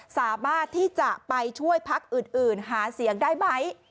สามารถที่จะไปช่วยพักอื่นหาเสียงได้ไหม